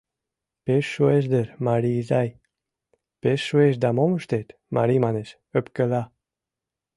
Пеш шуэш дыр, Мари изай?» «Пеш шуэш, да мом ыштет?» Мари манеш, ӧпкела.